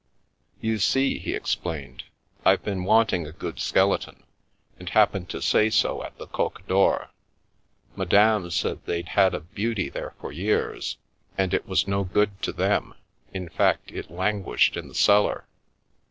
" You see/' he explained, " I've been wanting a good skeleton, and happened to say so at the Coq d'Or. Madame said they'd had a beauty there for years, and it was no good to them — in fact, it languished in the cellar.